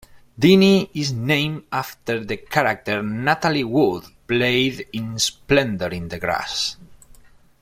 Deenie is named after the character Natalie Wood played in "Splendor in the Grass".